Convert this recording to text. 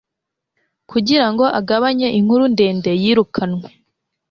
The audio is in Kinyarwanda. Kugira ngo agabanye inkuru ndende, yirukanwe.